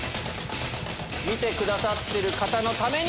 見てくださってる方のために。